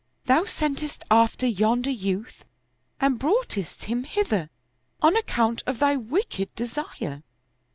Thou sentest after yonder youth and broughtest him hither, on account of thy wicked desire."